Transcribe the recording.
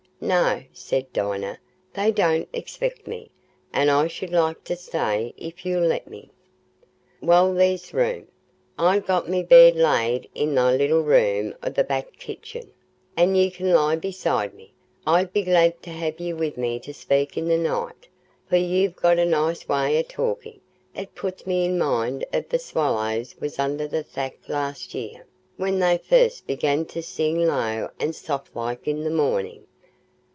"No," said Dinah, "they don't expect me, and I should like to stay, if you'll let me." "Well, there's room; I'n got my bed laid i' th' little room o'er the back kitchen, an' ye can lie beside me. I'd be glad to ha' ye wi' me to speak to i' th' night, for ye've got a nice way o' talkin'. It puts me i' mind o' the swallows as was under the thack last 'ear when they fust begun to sing low an' soft like i' th' mornin'.